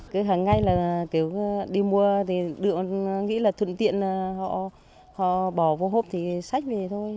cứ hằng ngày đi mua thì đựng nghĩ là thuận tiện họ bỏ vô hộp thì xách về thôi